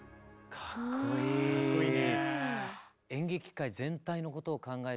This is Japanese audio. かっこいいね。